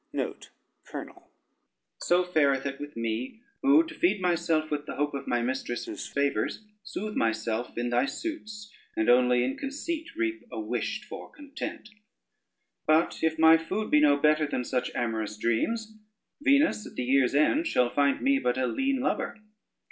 So fareth it with me, who to feed myself with the hope of my mistress's favors, sooth myself in thy suits, and only in conceit reap a wished for content; but if my food be no better than such amorous dreams, Venus at the year's end shall find me but a lean lover.